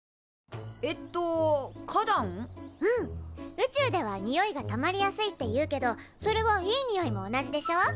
宇宙ではにおいがたまりやすいっていうけどそれはいいにおいも同じでしょ？